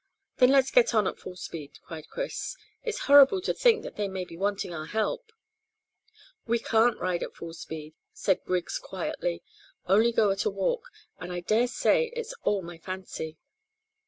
"Then let's get on at full speed," cried Chris. "It's horrible to think that they may be wanting our help." "We can't ride at full speed," said Griggs quietly, "only go at a walk; and I dare say it's all my fancy."